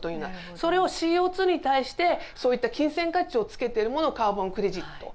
それをＣＯに対してそういった金銭価値をつけてるものをカーボンクレジット。